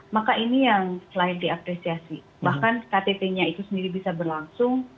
maka ini yang selain diapresiasi bahkan ktt nya itu sendiri bisa berlangsung